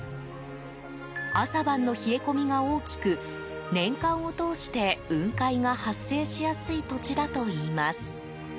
朝晩の冷え込みが大きく年間を通して、雲海が発生しやすい土地だといいます。